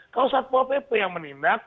ada perusahaan ppp yang menindak